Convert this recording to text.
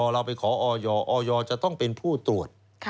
เราไปขอออยออยจะต้องเป็นผู้ตรวจ